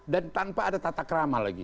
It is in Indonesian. dan tanpa ada tatakrama lagi